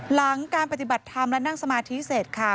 หลังการปฏิบัติธรรมและนั่งสมาธิเสร็จค่ะ